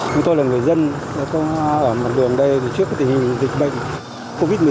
chúng tôi là người dân ở một đường đây trước tình hình dịch bệnh covid một mươi chín